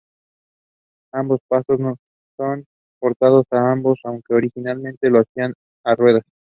Ambos pasos son portados a hombros aunque originalmente lo hacían a ruedas.